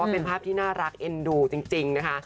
เป็นภาพที่น่ารักเอ็นดูจริงนะคะ